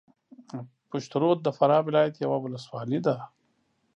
پشترود د فراه ولایت یوه ولسوالۍ ده